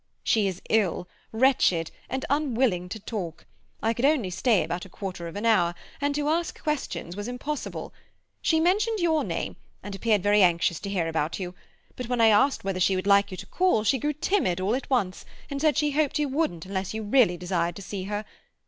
"She is ill, wretched, and unwilling to talk. I could only stay about a quarter of an hour, and to ask questions was impossible. She mentioned your name, and appeared very anxious to hear about you; but when I asked whether she would like you to call she grew timid all at once, and said she hoped you wouldn't unless you really desired to see her.